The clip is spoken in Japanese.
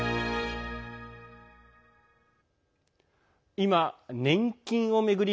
今、年金を巡り